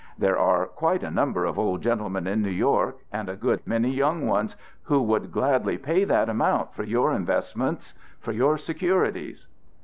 There are quite a number of old gentlemen in New York, and a good many young ones, who would gladly pay that amount for your investments, for your securities."